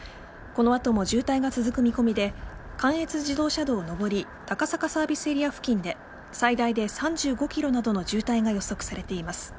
この後も渋滞が続く見込みで関越自動車道上り高坂サービスエリア付近で最大で３５ｋｍなどの渋滞が予測されています。